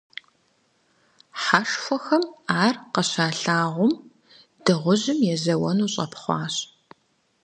Хьэшхуэхэм ар къыщалъагъум, дыгъужьым езэуэну щӀэпхъуащ.